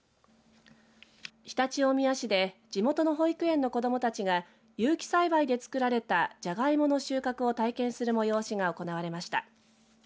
常陸大宮市で地元の保育園の子どもたちが有機栽培で作られたジャガイモの収穫を体験する催しが行われました。